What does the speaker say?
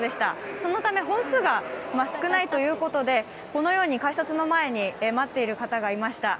そのため本数が少ないということでこのように改札の前に待っている方がいました。